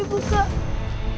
aku harus menjauhkan diri